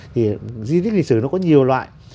thì di tích lịch sử nó có nhiều loại